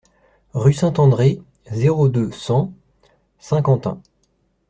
Rue Saint-André, zéro deux, cent Saint-Quentin